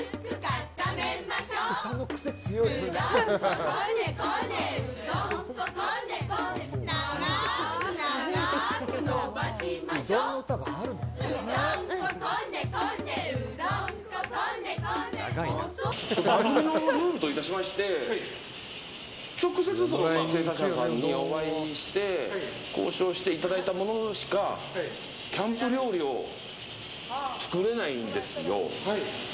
旅のルールとしまして直接生産者にお会いして交渉していただいたものしかキャンプ料理を作れないんですよ。